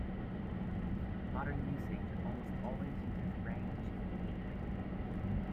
Modern usage almost always uses "range" to mean "image".